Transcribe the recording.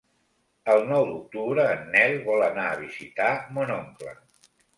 El nou d'octubre en Nel vol anar a visitar mon oncle.